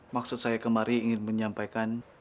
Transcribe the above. maksud saya kemari ingin menyampaikan